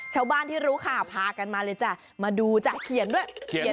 ชาวบ้านที่รู้ข่าวพากันมาเลยจ้ะมาดูจ้ะเขียนด้วยเขียน